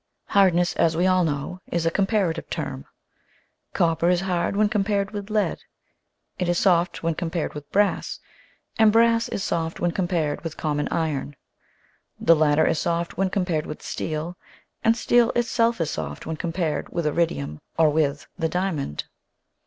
Hardness, as we all know, is a comparative term. Copper is hard when compared with lead; it is soft when compared with brass, and brass is soft when compared with common iron. The latter is soft when compared with steel, and steel itself is soft when compared with iridium or with the diamond.